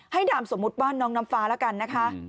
ให้ถามสมมุติบ้านน้องนำฟ้าแล้วกันนะคะ